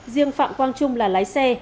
riêng phạm quang trung là lái xe